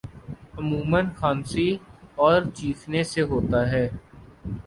عموماً کھانسی اور چھینکنے سے ہوتا ہے